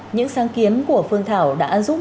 những sáng kiến của phương thảo đã giúp